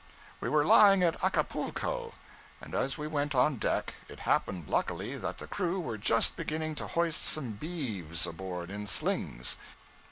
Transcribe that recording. We were lying at Acapulco; and, as we went on deck, it happened luckily that the crew were just beginning to hoist some beeves aboard in slings.